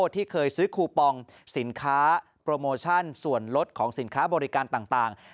ที่เคยซื้อคูปองสินค้าโปรโมชั่นส่วนลดของสินค้าบริการต่าง